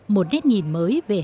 một nét nhìn mới về hà nội